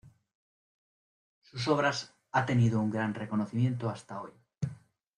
Sus obras ha tenido un gran reconocimiento hasta hoy.